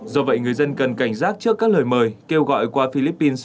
do vậy người dân cần cảnh giác trước các lời mời kêu gọi qua philippines